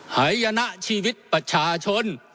หายนะชีวิตประชาชน